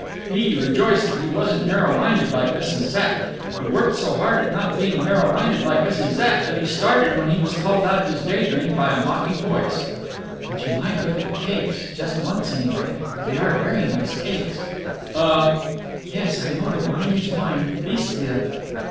He rejoiced that he wasn't narrow minded, like Mrs. Zapp. He worked so hard at not being narrow minded like Mrs. Zapp that he started when he was called out of his day dream by a mocking voice: "But you might look at the cakes. Just once, anyway. They are very nice cakes." "Uh—" "Yes, I know the wine is wine. Beastly of it."